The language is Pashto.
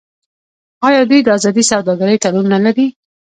آیا دوی د ازادې سوداګرۍ تړون نلري؟